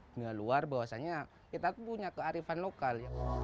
dengan luar bahwasannya kita punya kearifan lokal